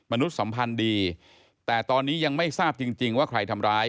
สัมพันธ์ดีแต่ตอนนี้ยังไม่ทราบจริงว่าใครทำร้าย